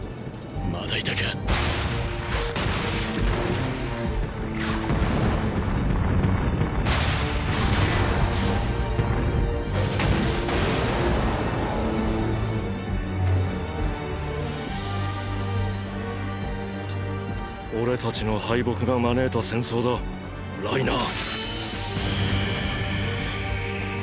まだいたか俺たちの敗北が招いた戦争だライナー。